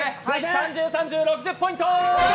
３０・３０、６０ポイント。